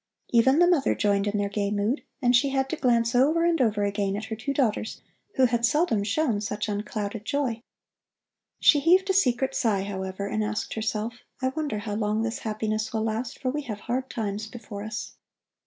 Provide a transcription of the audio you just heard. Even the mother joined in their gay mood, and she had to glance over and over again at her two daughters, who had seldom shown such unclouded joy. She heaved a secret sigh, however, and asked herself: I wonder how long this happiness will last, for we have hard times before us.